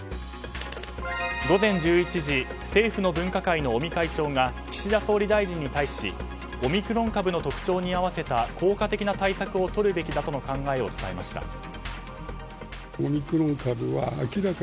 午前１１時政府の分科会の尾身会長が岸田総理大臣に対しオミクロン株の特徴に合わせた効果的な対策をとるべきだとの考えを伝えました。